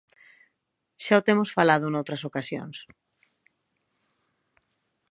Xa o temos falado noutras ocasións.